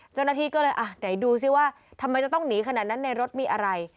เจ้าหน้าที่ก็เลยอ่ะไหนดูซิว่าทำไมจะต้องหนีขนาดนั้นในรถมีอะไร